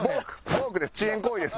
ボークで遅延行為です。